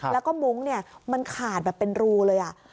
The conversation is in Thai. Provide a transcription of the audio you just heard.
แล้วก็มุ้งเนี่ยมันขาดแบบเป็นรูเลย